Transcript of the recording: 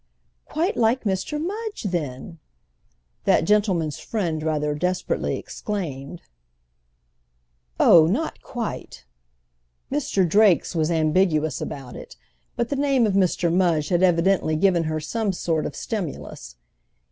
"Quite like Mr. Mudge, then!" that gentleman's friend rather desperately exclaimed. "Oh not quite!" Mr. Drake's was ambiguous about it, but the name of Mr. Mudge had evidently given her some sort of stimulus.